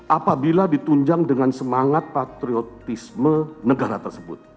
apabila ditunjang dengan semangat patriotisme negara tersebut